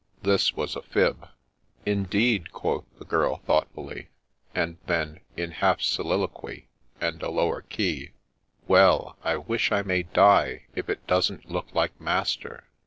— This was a fib !' Indeed !' quoth the girl thoughtfully ; and then, in half soliloquy, and a lower key, ' Well ! I wish I may die if it doesn't look like master